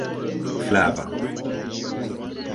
flava